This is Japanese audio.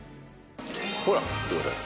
ほら見てください。